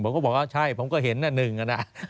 ผมก็บอกว่าใช่ผมก็เห็นหนึ่งนะ